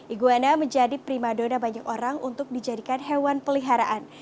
iguana menjadi primadona banyak orang untuk dijadikan hewan peliharaan